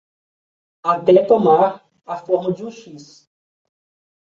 até tomar a forma de um X